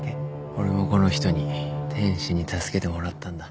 俺もこの人に天使に助けてもらったんだ。